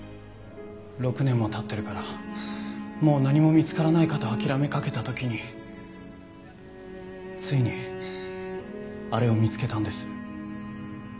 ６年も経ってるからもう何も見つからないかと諦めかけた時についにあれを見つけたんです